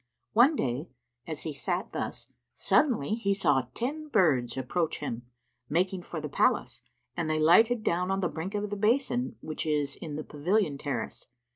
One day, as he sat thus, suddenly he saw ten birds approach him, making for the palace, and they lighted down on the brink of the basin which is in the pavilion terrace.